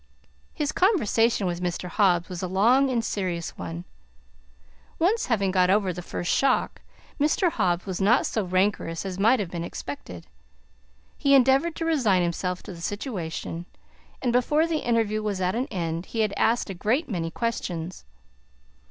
His conversation with Mr. Hobbs was a long and serious one. Once having got over the first shock, Mr. Hobbs was not so rancorous as might have been expected; he endeavored to resign himself to the situation, and before the interview was at an end he had asked a great many questions.